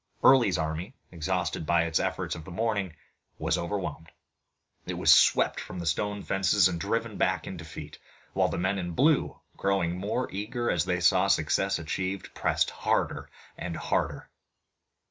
Early's army, exhausted by its efforts of the morning, was overwhelmed. It was swept from the stone fences and driven back in defeat, while the men in blue, growing more eager as they saw success achieved, pressed harder and harder.